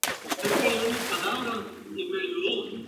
En respuesta, Token golpea a Cartman en el escenario antes de alejarse.